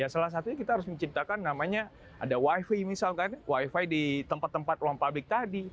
salah satunya kita harus menciptakan namanya ada wifi misalkan wifi di tempat tempat ruang publik tadi